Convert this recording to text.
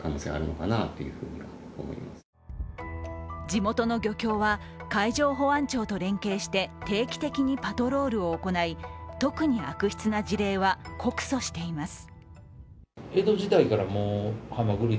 地元の漁協は海上保安庁と連携して定期的にパトロールを行い、特に悪質な事例は告訴しています。